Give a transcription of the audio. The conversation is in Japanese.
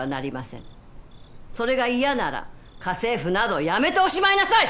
それが嫌なら家政婦など辞めておしまいなさい！